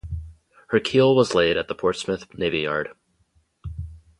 Her keel was laid at the Portsmouth Navy Yard.